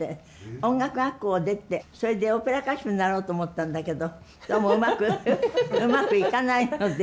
音楽学校を出てそれでオペラ歌手になろうと思ったんだけどどうもうまくうまくいかないので。